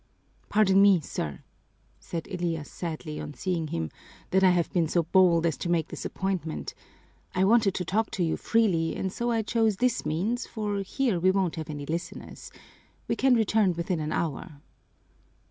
"Pardon me, sir," said Elias sadly, on seeing him, "that I have been so bold as to make this appointment. I wanted to talk to you freely and so I chose this means, for here we won't have any listeners. We can return within an hour."